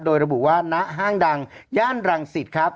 โดยระบุว่าณห้างดังย่านรังสิตครับ